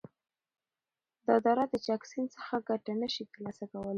دا دره د چک د سیند څخه گټه نشی تر لاسه کولای،